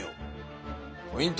ポイント